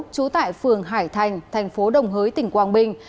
trú tại phường hải thành thành phố đồng hới tỉnh quảng bình